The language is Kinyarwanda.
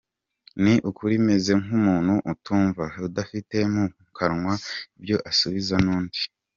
Ni ukuri meze nk’umuntu utumva, Udafite mu kanwa ibyo asubiza undi.